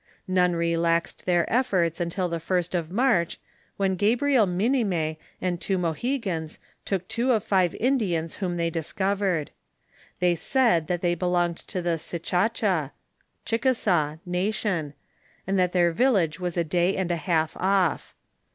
None relaxed their efforts till the first of March, when Gabriel Minime and two Mohegans took two of five Indians whom they discovered. They said, that they belonged to the Sicacha (Chickasaw) nation, and that their village was a day and a half off.